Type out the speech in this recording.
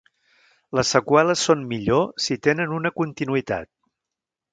Les seqüeles són millor si tenen una continuïtat.